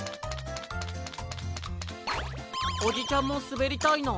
おじちゃんもすべりたいの？